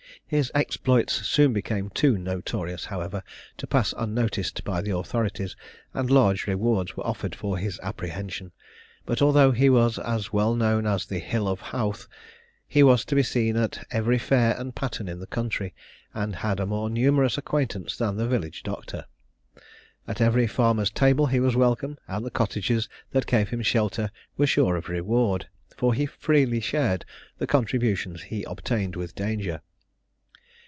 His exploits soon became too notorious, however, to pass unnoticed by the authorities, and large rewards were offered for his apprehension; but, although he was as well known as the "Hill of Howth," he was to be seen at every fair and pattern in the country, and had a more numerous acquaintance than the village doctor. At every farmer's table he was welcome, and the cottages that gave him shelter were sure of reward; for he freely shared the contributions he obtained with danger.